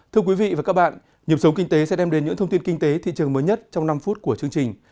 thưa quý vị và các bạn nhiệm sống kinh tế sẽ đem đến những thông tin kinh tế thị trường mới nhất trong năm phút của chương trình